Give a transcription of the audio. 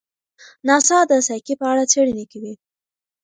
ناسا د سایکي په اړه څېړنې کوي.